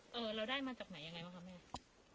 เราได้มาจากไหนยังไงบ้างคะแม่